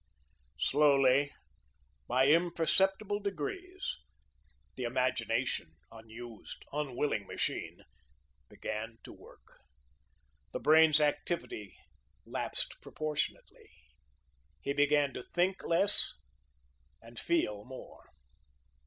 Slowly, by imperceptible degrees, the imagination, unused, unwilling machine, began to work. The brain's activity lapsed proportionately. He began to think less, and feel more.